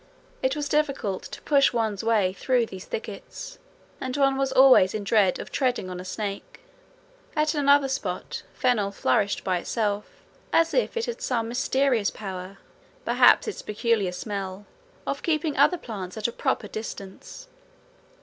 It was difficult to push one's way through these thickets, and one was always in dread of treading on a snake. At another spot fennel flourished by itself, as if it had some mysterious power, perhaps its peculiar smell, of keeping other plants at a proper distance.